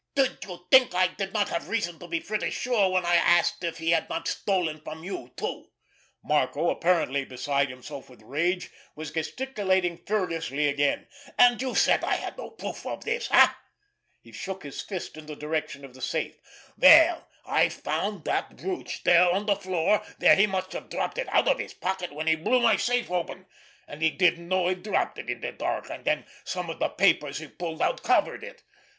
"Did you think I did not have reason to be pretty sure when I asked if he had not stolen from you, too?" Marco, apparently beside himself with rage, was gesticulating furiously again. "And you said I had no proof of this—eh?" He shook his fist in the direction of the safe. "Well, I found that brooch there on the floor where he must have dropped it out of his pocket when he blew my safe open, and he didn't know he'd dropped it in the dark, and then some of the papers he pulled out covered it.